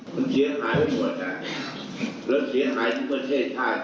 มันเสียหายไปหมดนะแล้วเสียหายทั้งประเทศชาติ